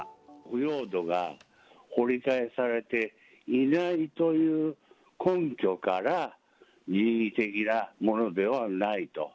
腐葉土が掘り返されていないという根拠から、人為的なものではないと。